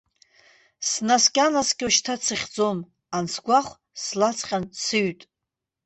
Снаскьо-снаскьо, шьҭа дсыхьӡом ансгәахә слаҵҟьан сыҩит.